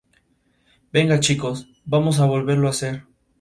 Están basados en el personaje Conan el Bárbaro creado por Robert E. Howard.